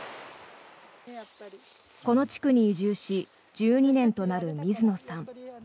この地区に移住し１２年となる水野さん。